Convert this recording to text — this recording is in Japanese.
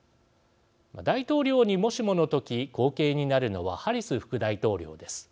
大統領にもしもの時後継になるのはハリス副大統領です。